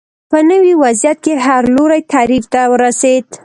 په نوي وضعیت کې هر لوری تعریف ته ورسېد